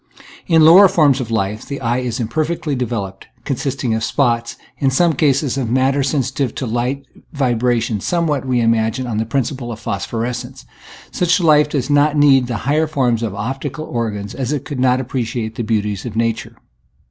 In the lower forms of life the eye is imper fectly developed, consisting of spots, in some cases, of matter sensitive to light vibration — somewhat, we imagine, on the principle of phosphorescence. Such life does not need the higher forms of optical organs, as it could not appreciate the beauties of nature.